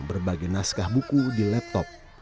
berbagai naskah buku di laptop